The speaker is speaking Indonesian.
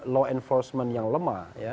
law enforcement yang lemah